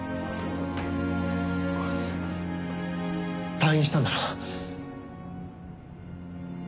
退院したんだな。